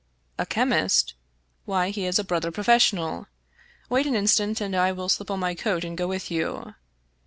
" A chemist ? Why, he is a brother professional. Wait an instant, and I will slip on my coat and go with you.